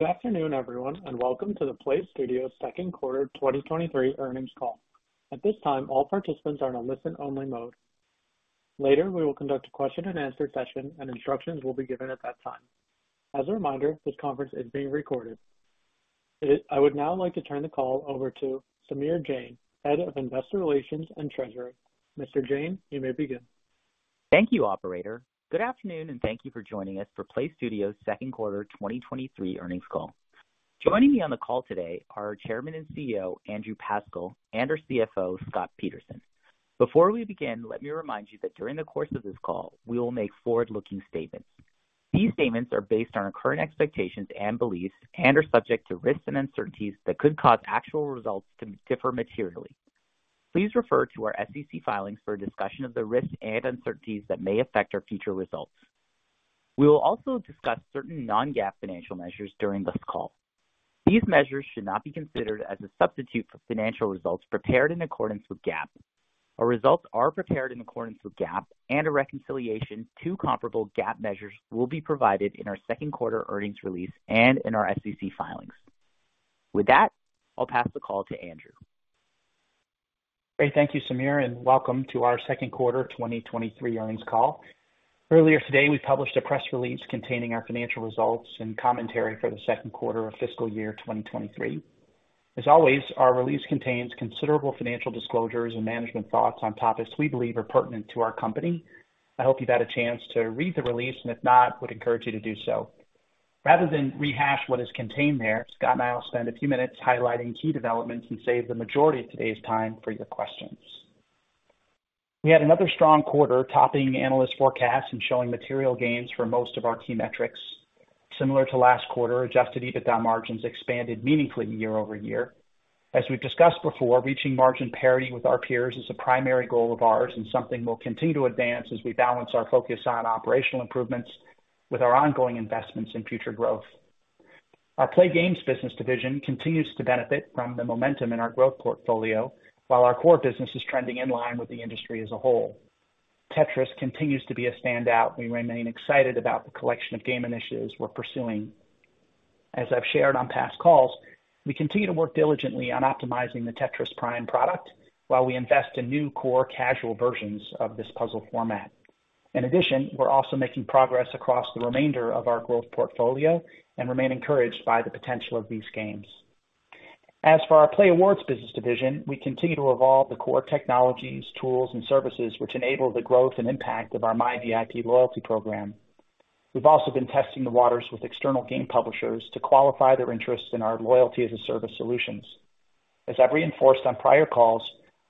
Good afternoon, everyone, and welcome to the PLAYSTUDIOS Second Quarter 2023 Earnings Call. At this time, all participants are on a listen-only mode. Later, we will conduct a question-and-answer session, and instructions will be given at that time. As a reminder, this conference is being recorded. I would now like to turn the call over to Samir Jain, Head of Investor Relations and Treasurer. Mr. Jain, you may begin. Thank you, operator. Good afternoon, and thank you for joining us for PLAYSTUDIOS second quarter 2023 earnings call. Joining me on the call today are our Chairman and CEO, Andrew Pascal, and our CFO, Scott Peterson. Before we begin, let me remind you that during the course of this call, we will make forward-looking statements. These statements are based on our current expectations and beliefs and are subject to risks and uncertainties that could cause actual results to differ materially. Please refer to our SEC filings for a discussion of the risks and uncertainties that may affect our future results. We will also discuss certain non-GAAP financial measures during this call. These measures should not be considered as a substitute for financial results prepared in accordance with GAAP. Our results are prepared in accordance with GAAP, and a reconciliation to comparable GAAP measures will be provided in our second quarter earnings release and in our SEC filings. With that, I'll pass the call to Andrew. Great. Thank you, Samir, and welcome to our second quarter 2023 earnings call. Earlier today, we published a press release containing our financial results and commentary for the second quarter of fiscal year 2023. As always, our release contains considerable financial disclosures and management thoughts on topics we believe are pertinent to our company. I hope you've had a chance to read the release, and if not, I would encourage you to do so. Rather than rehash what is contained there, Scott and I will spend a few minutes highlighting key developments and save the majority of today's time for your questions. We had another strong quarter, topping analyst forecasts and showing material gains for most of our key metrics. Similar to last quarter, adjusted EBITDA margins expanded meaningfully year-over-year. As we've discussed before, reaching margin parity with our peers is a primary goal of ours and something we'll continue to advance as we balance our focus on operational improvements with our ongoing investments in future growth. Our playGAMES business division continues to benefit from the momentum in our growth portfolio, while our core business is trending in line with the industry as a whole. Tetris continues to be a standout. We remain excited about the collection of game initiatives we're pursuing. As I've shared on past calls, we continue to work diligently on optimizing the Tetris Prime product while we invest in new core casual versions of this puzzle format. In addition, we're also making progress across the remainder of our growth portfolio and remain encouraged by the potential of these games. As for our playAWARDS business division, we continue to evolve the core technologies, tools, and services which enable the growth and impact of our myVIP loyalty program. We've also been testing the waters with external game publishers to qualify their interest in our loyalty-as-a-service solutions. As I've reinforced on prior calls,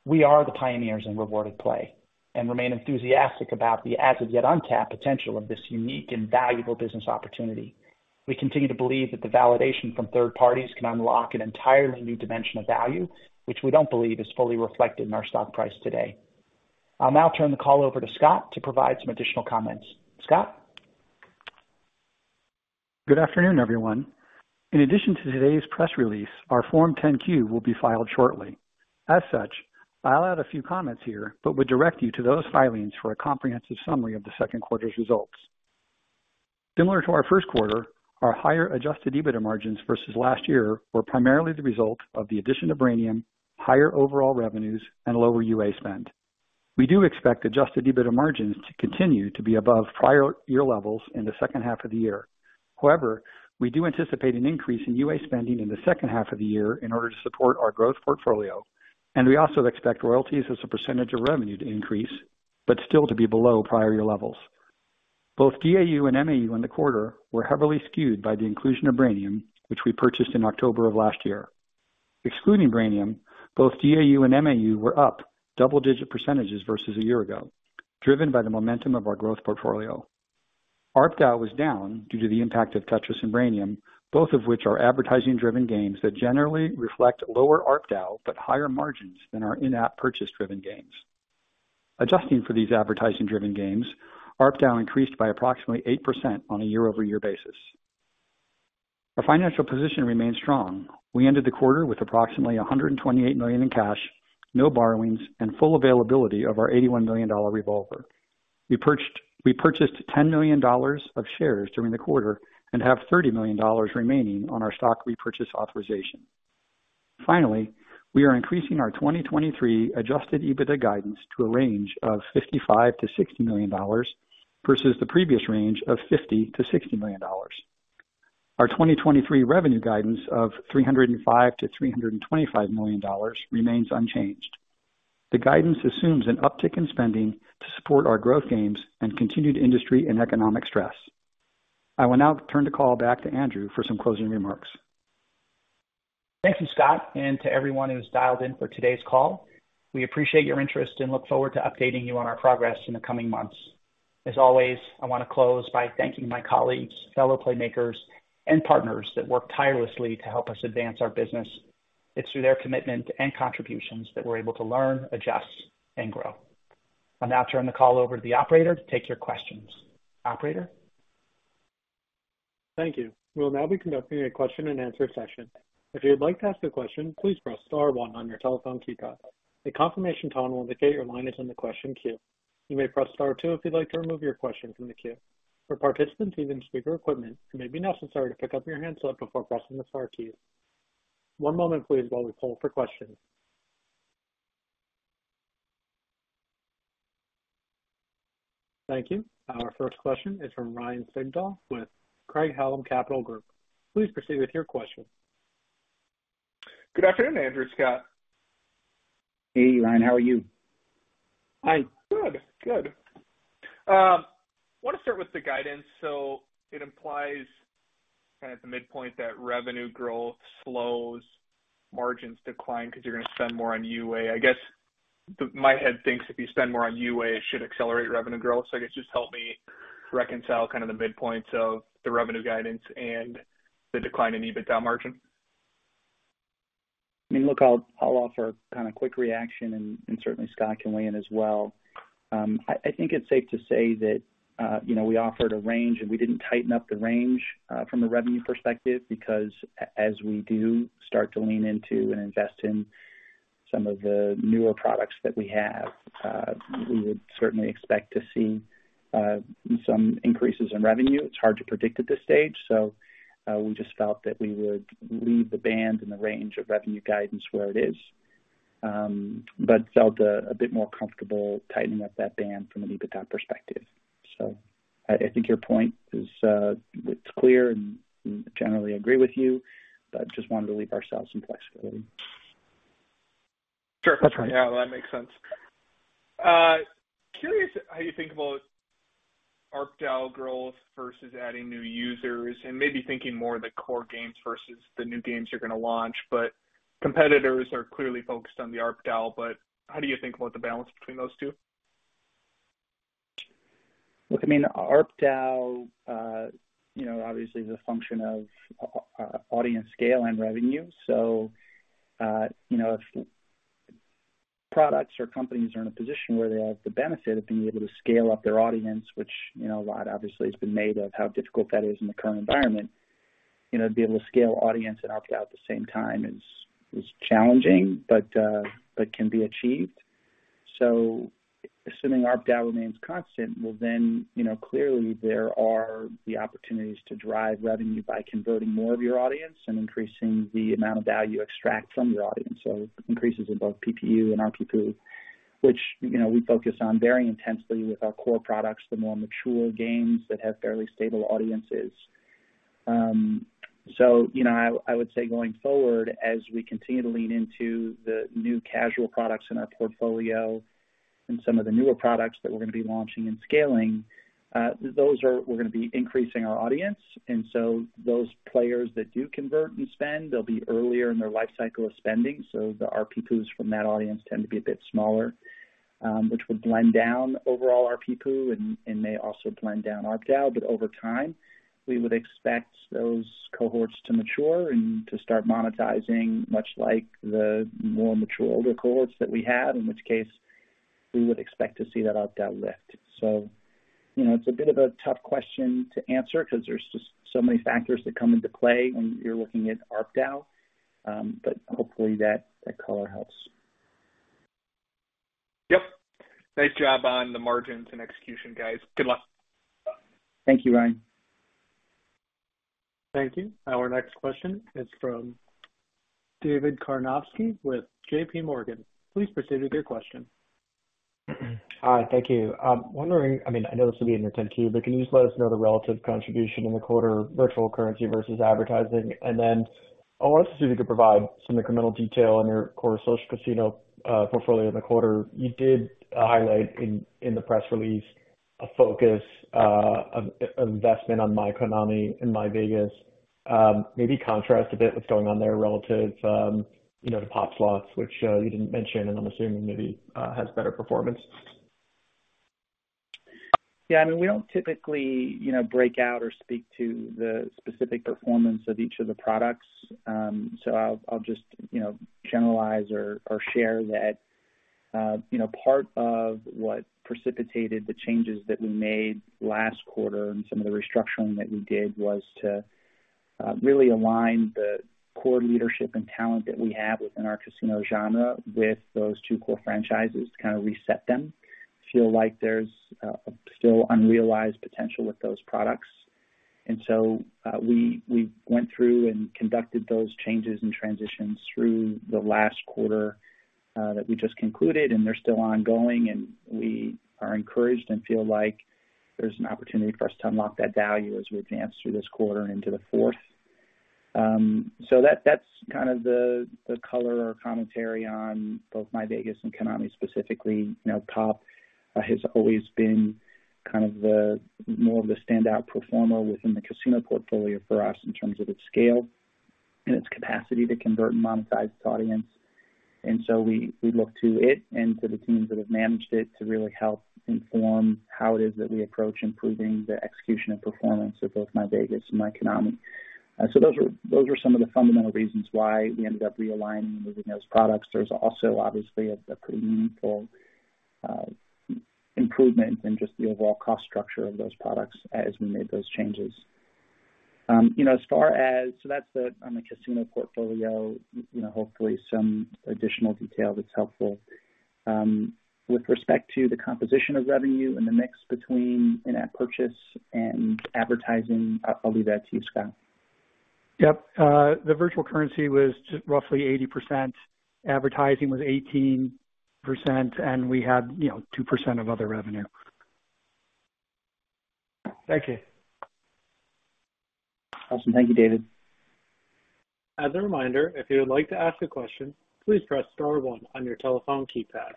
we are the pioneers in rewarded play and remain enthusiastic about the as-of-yet untapped potential of this unique and valuable business opportunity. We continue to believe that the validation from third parties can unlock an entirely new dimension of value, which we don't believe is fully reflected in our stock price today. I'll now turn the call over to Scott to provide some additional comments. Scott? Good afternoon, everyone. In addition to today's press release, our Form 10-Q will be filed shortly. As such, I'll add a few comments here, but would direct you to those filings for a comprehensive summary of the second quarter's results. Similar to our first quarter, our higher adjusted EBITDA margins versus last year were primarily the result of the addition of Brainium, higher overall revenues, and lower UA spend. However, we do expect adjusted EBITDA margins to continue to be above prior year levels in the second half of the year. We also expect royalties as a percentage of revenue to increase, but still to be below prior year levels. Both DAU and MAU in the quarter were heavily skewed by the inclusion of Brainium, which we purchased in October of last year. Excluding Brainium, both DAU and MAU were up double-digit % versus a year ago, driven by the momentum of our growth portfolio. ARPDAU was down due to the impact of Tetris and Brainium, both of which are advertising-driven games that generally reflect lower ARPDAU, but higher margins than our in-app purchase-driven games. Adjusting for these advertising-driven games, ARPDAU increased by approximately 8% on a year-over-year basis. Our financial position remains strong. We ended the quarter with approximately $128 million in cash, no borrowings, and full availability of our $81 million revolver. We purchased $10 million of shares during the quarter and have $30 million remaining on our stock repurchase authorization. Finally, we are increasing our 2023 adjusted EBITDA guidance to a range of $55 million-$60 million versus the previous range of $50 million-$60 million. Our 2023 revenue guidance of $305 million-$325 million remains unchanged. The guidance assumes an uptick in spending to support our growth games and continued industry and economic stress. I will now turn the call back to Andrew for some closing remarks. Thank you, Scott, and to everyone who's dialed in for today's call. We appreciate your interest and look forward to updating you on our progress in the coming months. As always, I want to close by thanking my colleagues, fellow playmakers, and partners that work tirelessly to help us advance our business. It's through their commitment and contributions that we're able to learn, adjust, and grow. I'll now turn the call over to the operator to take your questions. Operator? Thank you. We'll now be conducting a question-and-answer session. If you'd like to ask a question, please press star one on your telephone keypad. A confirmation tone will indicate your line is in the question queue. You may press star two if you'd like to remove your question from the queue. For participants using speaker equipment, it may be necessary to pick up your handset before pressing the star key. One moment please while we poll for questions. Thank you. Our first question is from Ryan Sigdahl with Craig-Hallum Capital Group. Please proceed with your question. Good afternoon, Andrew, Scott. Hey, Ryan. How are you? I'm good. Good. Want to start with the guidance. It implies kind of at the midpoint that revenue growth slows, margins decline because you're going to spend more on UA. I guess, my head thinks if you spend more on UA, it should accelerate revenue growth. I guess just help me reconcile kind of the midpoint of the revenue guidance and the decline in EBITDA margin. I mean, look, I'll, I'll offer kind of quick reaction and, and certainly Scott can weigh in as well. I, I think it's safe to say that, you know, we offered a range, and we didn't tighten up the range, from a revenue perspective because as we do start to lean into and invest in some of the newer products that we have, we would certainly expect to see, some increases in revenue. It's hard to predict at this stage, so, we just felt that we would leave the band and the range of revenue guidance where it is. Felt, a bit more comfortable tightening up that band from an EBITDA perspective. I, I think your point is, it's clear and generally agree with you, but just wanted to leave ourselves some flexibility. Sure. That's right. Yeah, that makes sense. Curious how you think about ARPDAU growth versus adding new users and maybe thinking more of the core games versus the new games you're going to launch. Competitors are clearly focused on the ARPDAU, but how do you think about the balance between those two? Look, I mean, ARPDAU, you know, obviously, is a function of audience scale and revenue. You know, if products or companies are in a position where they have the benefit of being able to scale up their audience, which, you know, a lot obviously has been made of how difficult that is in the current environment. You know, to be able to scale audience and ARPDAU at the same time is, is challenging, but, but can be achieved. Assuming ARPDAU remains constant, well, then, you know, clearly there are the opportunities to drive revenue by converting more of your audience and increasing the amount of value you extract from your audience. Increases in both PPU and RPPU, which, you know, we focus on very intensely with our core products, the more mature games that have fairly stable audiences. So, you know, I, I would say going forward, as we continue to lean into the new casual products in our portfolio and some of the newer products that we're going to be launching and scaling, we're going to be increasing our audience. So those players that do convert and spend, they'll be earlier in their life cycle of spending. So the RPPU from that audience tend to be a bit smaller, which would blend down overall RPPU and, and may also blend down ARPDAU. Over time, we would expect those cohorts to mature and to start monetizing, much like the more mature older cohorts that we have, in which case we would expect to see that ARPDAU lift. You know, it's a bit of a tough question to answer because there's just so many factors that come into play when you're looking at ARPDAU. Hopefully that, that color helps. Yep. Nice job on the margins and execution, guys. Good luck. Thank you, Ryan. Thank you. Our next question is from David Karnovsky with JPMorgan. Please proceed with your question. Hi, thank you. I'm wondering, I mean, I know this will be in your Form 10-Q, but can you just let us know the relative contribution in the quarter, virtual currency versus advertising? Then I wanted to see if you could provide some incremental detail on your core social casino portfolio in the quarter. You did highlight in, in the press release a focus of investment on myKONAMI and myVEGAS. Maybe contrast a bit what's going on there relative, you know, to POP! Slots, which, you didn't mention, and I'm assuming maybe, has better performance. Yeah, I mean, we don't typically, you know, break out or speak to the specific performance of each of the products. So I'll, I'll just, you know, generalize or, or share that, you know, part of what precipitated the changes that we made last quarter and some of the restructuring that we did was to really align the core leadership and talent that we have within our casino genre with those two core franchises to kind of reset them. Feel like there's a still unrealized potential with those products. So, we, we went through and conducted those changes and transitions through the last quarter that we just concluded, and they're still ongoing, and we are encouraged and feel like there's an opportunity for us to unlock that value as we advance through this quarter and into the fourth. So that's kind of the, the color or commentary on both myVEGAS and KONAMI, specifically. You know, POP!, has always been kind of the more of a standout performer within the casino portfolio for us in terms of its scale and its capacity to convert and monetize its audience. We, we look to it and to the teams that have managed it to really help inform how it is that we approach improving the execution and performance of both myVEGAS and myKONAMI. Those are, those are some of the fundamental reasons why we ended up realigning and moving those products. There's also obviously a, a pretty meaningful improvement in just the overall cost structure of those products as we made those changes. You know, as far as- so that's the, on the casino portfolio, you know, hopefully some additional detail that's helpful. With respect to the composition of revenue and the mix between in-app purchase and advertising, I'll leave that to you, Scott. Yep. The virtual currency was just roughly 80%, advertising was 18%, and we had, you know, 2% of other revenue. Thank you. Awesome. Thank you, David. As a reminder, if you would like to ask a question, please press star one on your telephone keypad.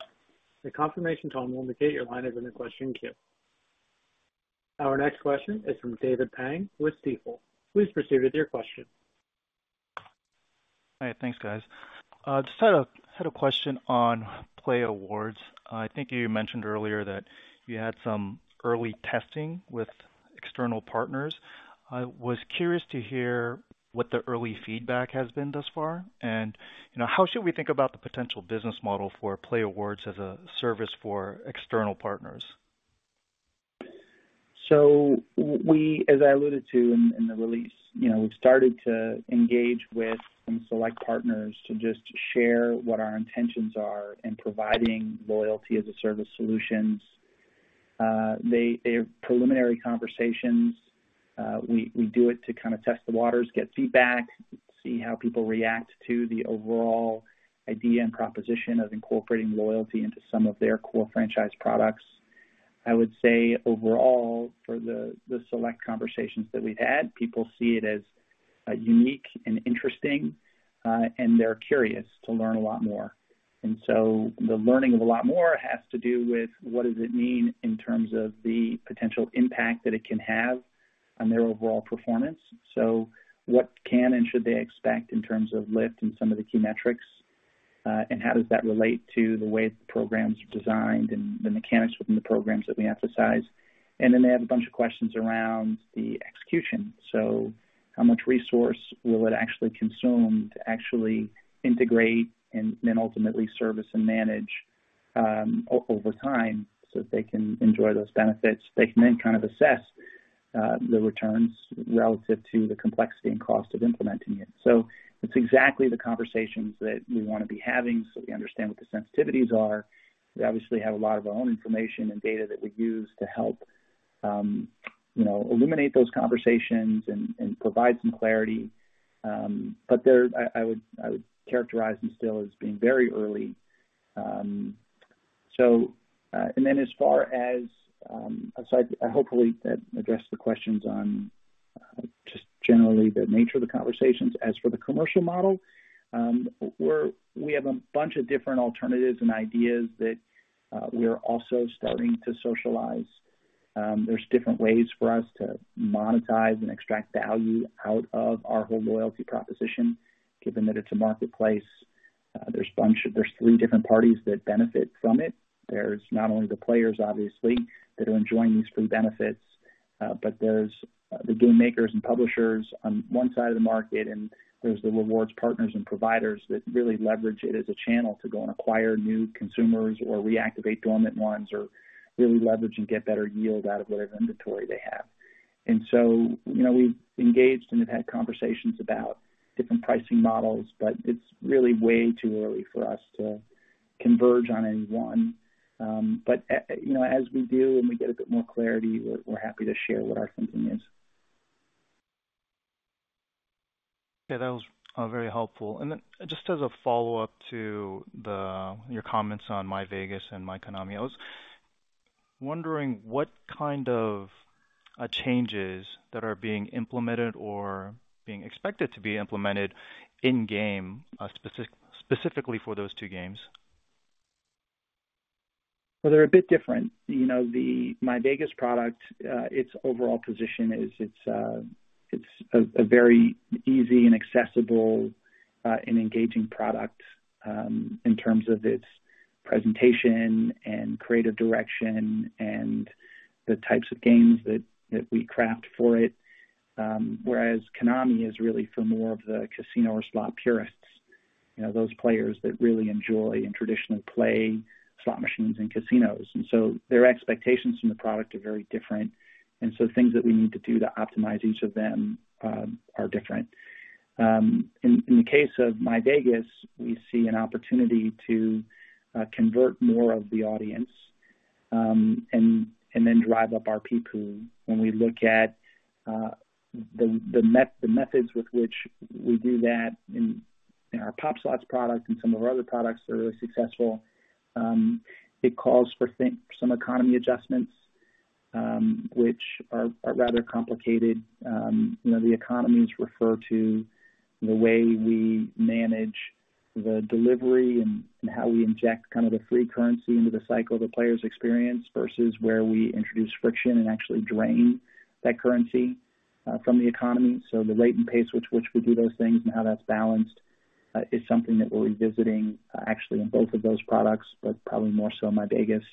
A confirmation tone will indicate your line is in the question queue. Our next question is from David Pang with Stifel. Please proceed with your question. Hi, thanks, guys. Just had a, had a question on playAWARDS. I think you mentioned earlier that you had some early testing with external partners. I was curious to hear what the early feedback has been thus far, and, you know, how should we think about the potential business model for playAWARDS as a service for external partners? We, as I alluded to in the release, you know, we've started to engage with some select partners to just share what our intentions are in providing loyalty-as-a-service solutions. They're preliminary conversations. We do it to kind of test the waters, get feedback, see how people react to the overall idea and proposition of incorporating loyalty into some of their core franchise products. I would say overall, for the select conversations that we've had, people see it as unique and interesting, and they're curious to learn a lot more. The learning of a lot more has to do with what does it mean in terms of the potential impact that it can have on their overall performance? What can and should they expect in terms of lift and some of the key metrics, and how does that relate to the way the programs are designed and the mechanics within the programs that we emphasize? And then they have a bunch of questions around the execution. How much resource will it actually consume to actually integrate and then ultimately service and manage over time so they can enjoy those benefits? They can then kind of assess the returns relative to the complexity and cost of implementing it. It's exactly the conversations that we want to be having so we understand what the sensitivities are. We obviously have a lot of our own information and data that we use to help, you know, illuminate those conversations and, and provide some clarity. They're I, I would, I would characterize them still as being very early. And then as far as. I hopefully that addressed the questions on just generally the nature of the conversations. As for the commercial model, we're we have a bunch of different alternatives and ideas that we are also starting to socialize. There's different ways for us to monetize and extract value out of our whole loyalty proposition. Given that it's a marketplace, there's bunch of there's three different parties that benefit from it. There's not only the players, obviously, that are enjoying these free benefits, but there's the game makers and publishers on one side of the market, and there's the rewards partners and providers that really leverage it as a channel to go and acquire new consumers or reactivate dormant ones, or really leverage and get better yield out of whatever inventory they have. You know, we've engaged and have had conversations about different pricing models, but it's really way too early for us to converge on any one. You know, as we do and we get a bit more clarity, we're, we're happy to share what our thinking is. Yeah, that was, very helpful. Just as a follow-up your comments on myVEGAS and myKONAMI, wondering what kind of changes that are being implemented or being expected to be implemented in-game, specifically for those two games? Well, they're a bit different. You know, the myVEGAS product, its overall position is it's a, a very easy and accessible and engaging product, in terms of its presentation and creative direction and the types of games that, that we craft for it. Whereas KONAMI is really for more of the casino or slot purists, you know, those players that really enjoy and traditionally play slot machines in casinos. Their expectations from the product are very different, things that we need to do to optimize each of them are different. In, in the case of myVEGAS, we see an opportunity to convert more of the audience and, and then drive up our PPU. When we look at the methods with which we do that in our POP! Slots product and some of our other products that are successful, it calls for some economy adjustments, which are rather complicated. You know, the economies refer to the way we manage the delivery and how we inject kind of the free currency into the cycle the players experience, versus where we introduce friction and actually drain that currency from the economy. The rate and pace with which we do those things and how that's balanced is something that we're revisiting actually in both of those products, but probably more so in myVEGAS.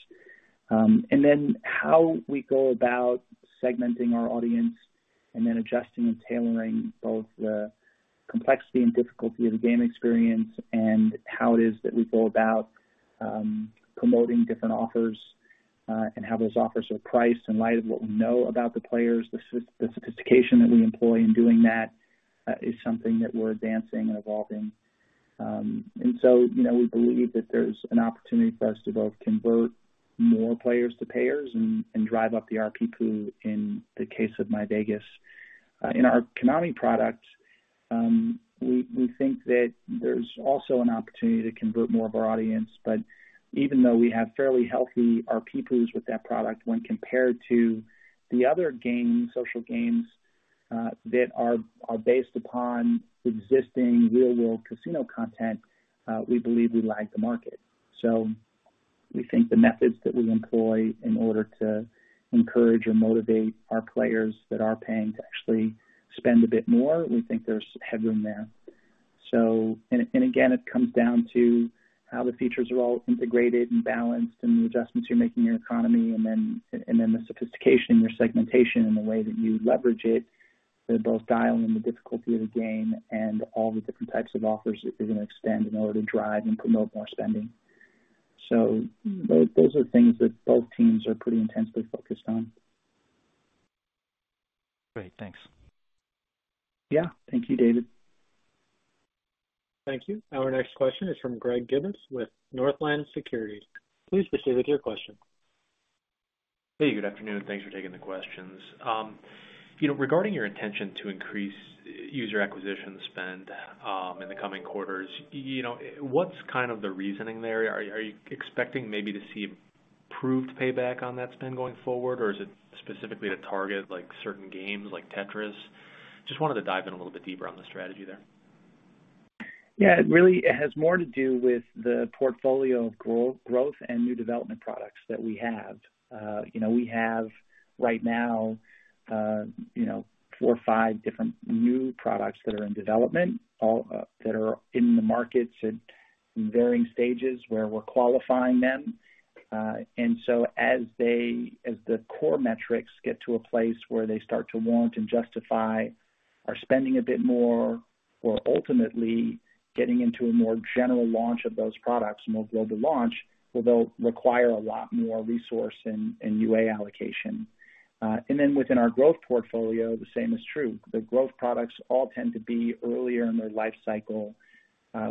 How we go about segmenting our audience and then adjusting and tailoring both the complexity and difficulty of the game experience and how it is that we go about promoting different offers. How those offers are priced in light of what we know about the players, the sophistication that we employ in doing that, is something that we're advancing and evolving. You know, we believe that there's an opportunity for us to both convert more players to payers and, and drive up the RPPU in the case of myVEGAS. In our KONAMI product, we, we think that there's also an opportunity to convert more of our audience. Even though we have fairly healthy RPPU with that product, when compared to the other games, social games that are based upon existing real world casino content, we believe we lag the market. We think the methods that we employ in order to encourage or motivate our players that are paying to actually spend a bit more, we think there's headroom there. And again, it comes down to how the features are all integrated and balanced, and the adjustments you're making in your economy, and then the sophistication, your segmentation, and the way that you leverage it to both dial in the difficulty of the game and all the different types of offers that you're going to extend in order to drive and promote more spending. Those are things that both teams are pretty intensely focused on. Great. Thanks. Yeah. Thank you, David. Thank you. Our next question is from Greg Gibas with Northland Securities. Please proceed with your question. Hey, good afternoon. Thanks for taking the questions. you know, regarding your intention to increase user acquisition spend, in the coming quarters, you know, what's kind of the reasoning there? Are, are you expecting maybe to see improved payback on that spend going forward? Or is it specifically to target, like, certain games like Tetris? Just wanted to dive in a little bit deeper on the strategy there. Yeah, it really, it has more to do with the portfolio of growth and new development products that we have. You know, we have, right now, you know, four or five different new products that are in development, all that are in the markets at varying stages where we're qualifying them. As the core metrics get to a place where they start to warrant and justify our spending a bit more, or ultimately getting into a more general launch of those products, more global launch, well, they'll require a lot more resource and, and UA allocation. Within our growth portfolio, the same is true. The growth products all tend to be earlier in their life cycle.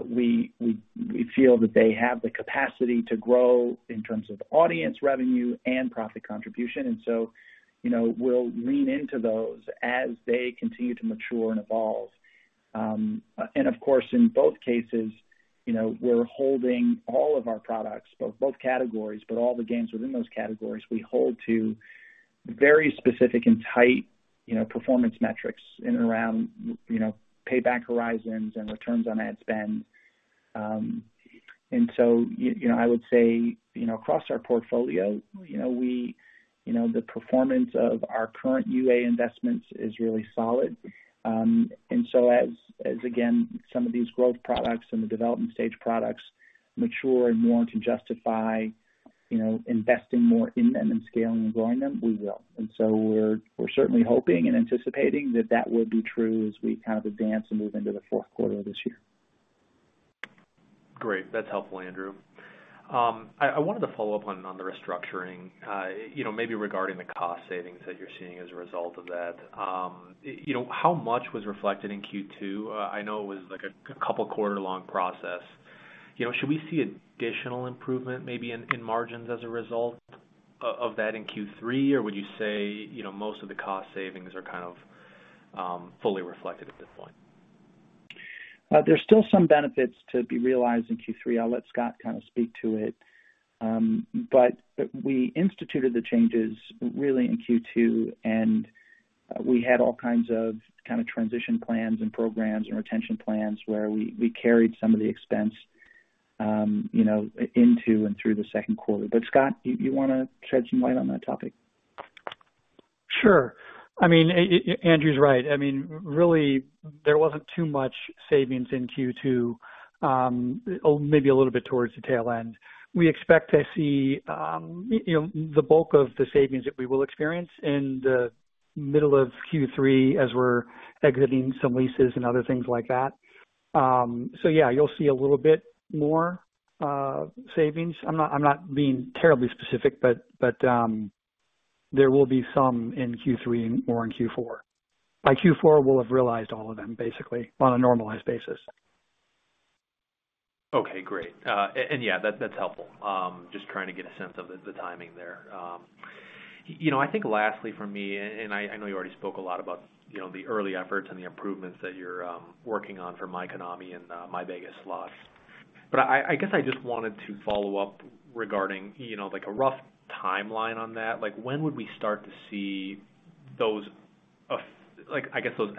We, we, we feel that they have the capacity to grow in terms of audience revenue and profit contribution, and so, you know, we'll lean into those as they continue to mature and evolve. And of course, in both cases, you know, we're holding all of our products, both, both categories, but all the games within those categories, we hold to very specific and tight, you know, performance metrics in and around, you know, payback horizons and return on ad spend. And so, you, you know, I would say, you know, across our portfolio, you know, we, you know, the performance of our current UA investments is really solid. And so as, as again, some of these growth products and the development stage products mature and warrant and justify, you know, investing more in them and scaling and growing them, we will. We're, we're certainly hoping and anticipating that that will be true as we kind of advance and move into the fourth quarter of this year. Great. That's helpful, Andrew. I, I wanted to follow up on, on the restructuring, you know, maybe regarding the cost savings that you're seeing as a result of that. You know, how much was reflected in Q2? I know it was a couple quarter-long process. You know, should we see additional improvement maybe in, in margins as a result of that in Q3? Would you say, you know, most of the cost savings are fully reflected at this point? There's still some benefits to be realized in Q3. I'll let Scott kind of speak to it. We instituted the changes really in Q2, and we had all kinds of kind of transition plans and programs and retention plans, where we, we carried some of the expense, you know, into and through the second quarter. Scott, you, you want to shed some light on that topic? Sure. I mean, Andrew's right. I mean, really, there wasn't too much savings in Q2, oh, maybe a little bit towards the tail end. We expect to see, you know, the bulk of the savings that we will experience in the middle of Q3 as we're exiting some leases and other things like that. Yeah, you'll see a little bit more savings. I'm not, I'm not being terribly specific, but, there will be some in Q3 and more in Q4. By Q4, we'll have realized all of them, basically, on a normalized basis. Okay, great. And, yeah, that, that's helpful. Just trying to get a sense of the, the timing there. You know, I think lastly for me, and I, I know you already spoke a lot about, you know, the early efforts and the improvements that you're working on for myKONAMI and myVEGAS Slots, but I, I guess I just wanted to follow up regarding, you know, like, a rough timeline on that. Like, when would we start to see those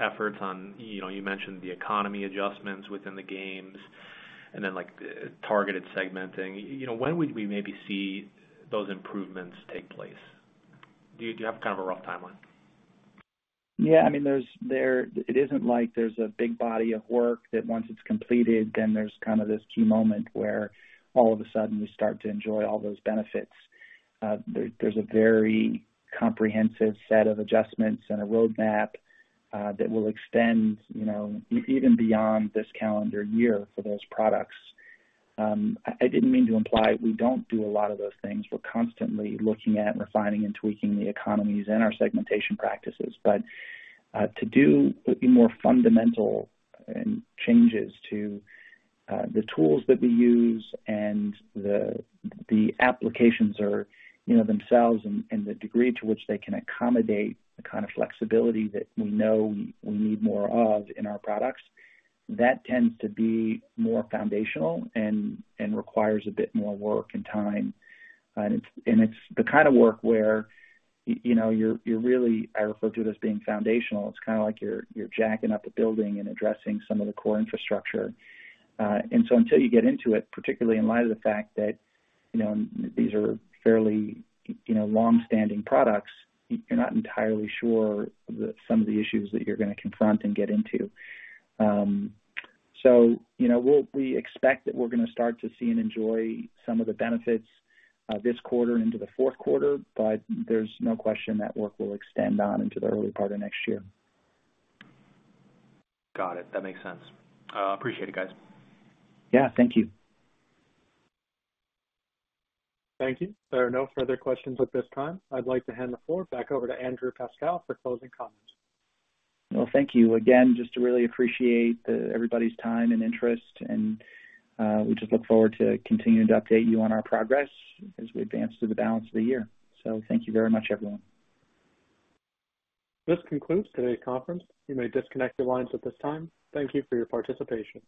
efforts on, you know, you mentioned the economy adjustments within the games and then, like, targeted segmenting. You know, when would we maybe see those improvements take place? Do you, do you have kind of a rough timeline? Yeah, I mean, there's, it isn't like there's a big body of work that once it's completed, then there's kind of this key moment where all of a sudden, you start to enjoy all those benefits. There, there's a very comprehensive set of adjustments and a roadmap that will extend, you know, even beyond this calendar year for those products. I, I didn't mean to imply we don't do a lot of those things. We're constantly looking at refining and tweaking the economies and our segmentation practices. To do the more fundamental and changes to the tools that we use and the applications are, you know, themselves and the degree to which they can accommodate the kind of flexibility that we know we need more of in our products, that tends to be more foundational and requires a bit more work and time. It's, and it's the kind of work where you know, you're really, I refer to it as being foundational. It's kind of like you're jacking up a building and addressing some of the core infrastructure. Until you get into it, particularly in light of the fact that, you know, these are fairly, you know, long-standing products, you're not entirely sure that some of the issues that you're going to confront and get into. You know, we expect that we're going to start to see and enjoy some of the benefits, this quarter into the fourth quarter, but there's no question that work will extend on into the early part of next year. Got it. That makes sense. Appreciate it, guys. Yeah, thank you. Thank you. There are no further questions at this time. I'd like to hand the floor back over to Andrew Pascal for closing comments. Well, thank you. Again, just to really appreciate everybody's time and interest, and we just look forward to continuing to update you on our progress as we advance through the balance of the year. Thank you very much, everyone. This concludes today's conference. You may disconnect your lines at this time. Thank you for your participation.